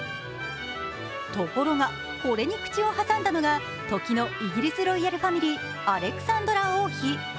ところがこれに口をはさんだのが時のイギリスロイヤルファミリーアレクサンドラ王妃。